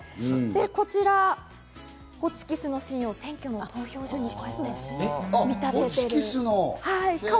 で、こちら、ホチキスの針を選挙の投票所に見立てました。